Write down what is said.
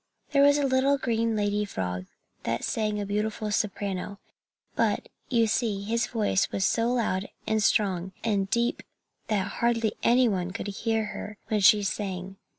There was a little green lady frog that sang a beautiful soprano, but, you see, his voice was so loud and strong and deep that hardly any one could hear her when she sang.